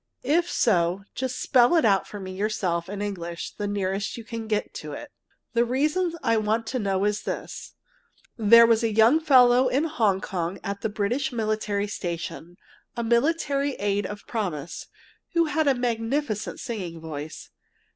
If so, just spell it out for me yourself in English the nearest you can get to it. The reason I want to know it is this: there was a young fellow in Hong Kong at the British military station, a military aide of promise, who had a magnificent singing voice.